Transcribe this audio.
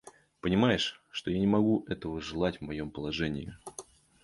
Понимаешь, что я не могу этого желать в моем положении.